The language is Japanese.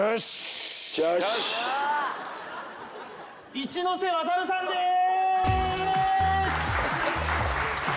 一ノ瀬ワタルさんです！